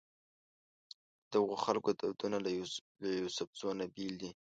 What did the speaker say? ددغو خلکو دودونه له یوسفزو نه بېل دي.